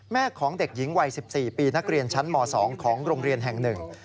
ของเด็กหญิงวัย๑๔ปีนักเรียนชั้นม๒ของโรงเรียนแห่งหนึ่ง